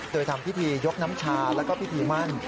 โดยทำพิธียกน้ำชาแล้วก็พิธีมั่น